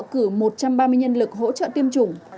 cử một trăm ba mươi nhân lực hỗ trợ tiêm chủng